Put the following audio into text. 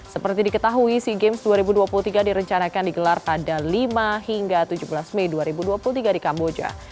seperti diketahui sea games dua ribu dua puluh tiga direncanakan digelar pada lima hingga tujuh belas mei dua ribu dua puluh tiga di kamboja